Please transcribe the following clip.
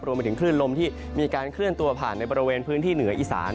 รวมไปถึงคลื่นลมที่มีการเคลื่อนตัวผ่านในบริเวณพื้นที่เหนืออีสาน